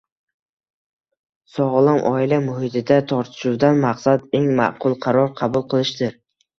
Sog‘lom oila muhitida tortishuvdan maqsad eng ma’qul qaror qabul qilishdir.